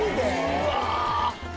うわ！